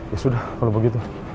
ya sudah kalau begitu